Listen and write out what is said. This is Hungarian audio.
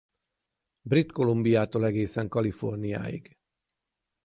Brit Columbiától egészen Kaliforniáig.